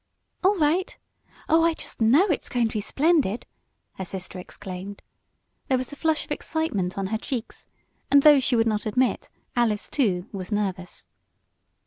"All right! Oh, I just know it's going to be splendid!" her sister exclaimed. There was the flush of excitement on her cheeks, and though she would not admit, Alice, too, was nervous.